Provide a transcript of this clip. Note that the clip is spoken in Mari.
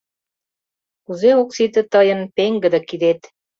Кузе ок сите Тыйын пеҥгыде кидет!..